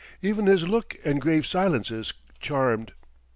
Even his look and grave silences charmed.